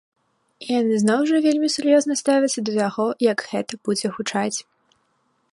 І яны зноў жа вельмі сур'ёзна ставяцца да таго, як гэта будзе гучаць.